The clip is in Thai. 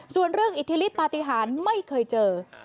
ส่วนเรื่องอิทธิฤทธปฏิหารไม่เคยเจอ